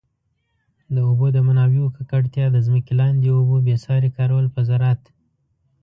د اوبو د منابعو ککړتیا، د ځمکي لاندي اوبو بي ساري کارول په زراعت.